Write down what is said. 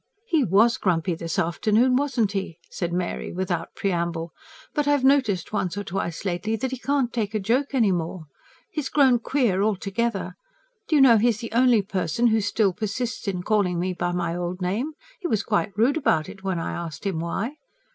"He WAS grumpy this afternoon, wasn't he?" said Mary, without preamble. "But I've noticed once or twice lately that he can't take a joke any more. He's grown queer altogether. Do you know he's the only person who still persists in calling me by my old name? He was quite rude about it when I asked him why.